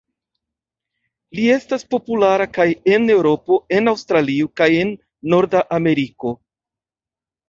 Li estas populara kaj en Eŭropo, en Aŭstralio kaj en Norda Ameriko.